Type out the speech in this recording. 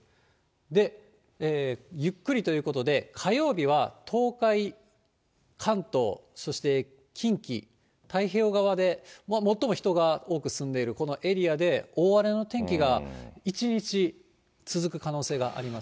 で、ゆっくりということで、火曜日は東海、関東、そして近畿、太平洋側で、最も人が多く住んでいるこのエリアで、大荒れの天気が一日続く可能性があります。